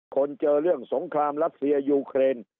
คนเจอเรื่องสงครามรัสเซียยูเครน